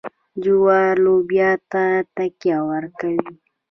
جوار لوبیا ته تکیه ورکوي.